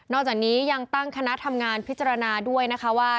จากนี้ยังตั้งคณะทำงานพิจารณาด้วยนะคะว่า